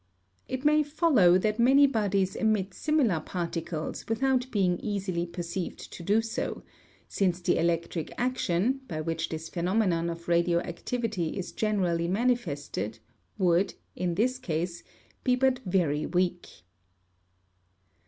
It may follow that many bodies emit similar particles without being easily perceived to do so; since the electric action, by which this phenomenon of radioactivity is generally manifested, would, in this case, be but very weak.